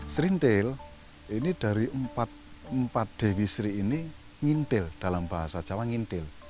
serintil ini dari empat dewi sri ini ngintil dalam bahasa jawa ngintil